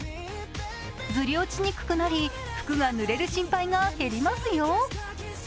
ずり落ちにくくなり、服がぬれる心配が減りますよ。